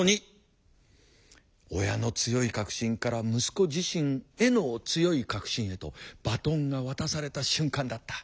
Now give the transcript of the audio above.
親の強い確信から息子自身への強い確信へとバトンが渡された瞬間だった。